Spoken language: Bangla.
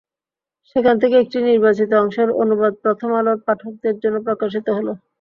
সেখান থেকে একটি নির্বাচিত অংশের অনুবাদ প্রথম আলোর পাঠকদের জন্য প্রকাশিত হলো।